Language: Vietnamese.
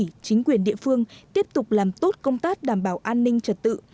ủy chính quyền địa phương tiếp tục làm tốt công tác đảm bảo an ninh trật tự